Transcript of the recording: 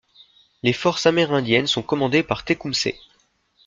Les forces amérindiennes sont commandées par Tecumseh.